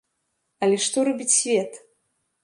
Але што робіць свет?